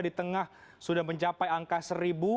di tengah sudah mencapai angka seribu